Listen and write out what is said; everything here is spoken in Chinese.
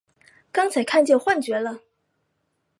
刚才看见幻觉了！